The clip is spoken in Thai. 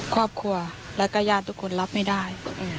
ครอบครัวแล้วก็ญาติทุกคนรับไม่ได้